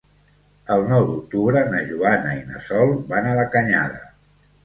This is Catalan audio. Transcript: El nou d'octubre na Joana i na Sol van a la Canyada.